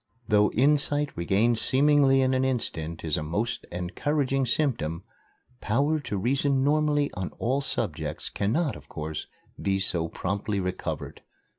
Though insight regained seemingly in an instant is a most encouraging symptom, power to reason normally on all subjects cannot, of course, be so promptly recovered.